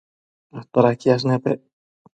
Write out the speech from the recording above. todaquiash nepec?